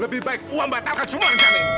lebih baik uang batalkan semua orang sari